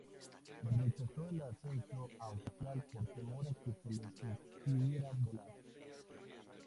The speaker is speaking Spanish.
Rechazó el ascenso a oficial por temor a que se le impidiera volar.